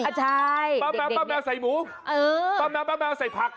ใช่ป้าแมวป้าแมวใส่หมูเออป้าแมวป้าแมวใส่ผัก